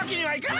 はい！